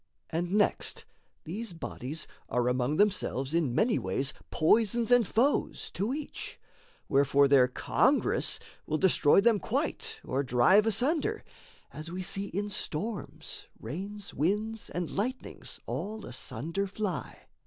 And, next, these bodies are among themselves In many ways poisons and foes to each, Wherefore their congress will destroy them quite Or drive asunder as we see in storms Rains, winds, and lightnings all asunder fly.